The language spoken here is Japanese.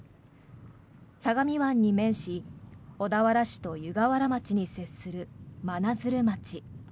相模湾に面し小田原市と湯河原町に接する真鶴町。